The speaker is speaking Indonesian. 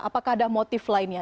apakah ada motif lainnya